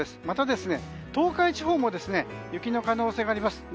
また、東海地方も雪の可能性があります。